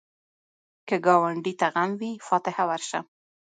که ګاونډي ته غم وي، فاتحه ورشه